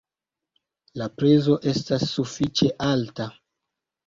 La prezo estas sufiĉe alta.